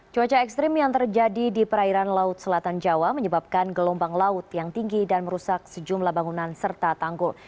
cuaca ekstrim yang terjadi di perairan laut selatan jawa menyebabkan gelombang laut yang tinggi dan merusak sejumlah bangunan serta tanggul